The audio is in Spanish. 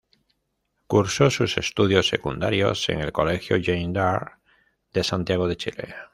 Cursó sus estudios secundarios en el Colegio Jeanne D'Arc de Santiago de Chile.